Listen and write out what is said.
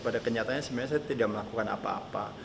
pada kenyataannya sebenarnya saya tidak melakukan apa apa